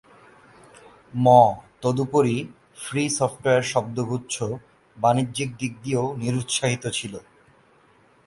ম তদুপরি, free software শব্দগুচ্ছ বাণিজ্যিক দিক দিয়েও নিরুৎসাহিত ছিলো।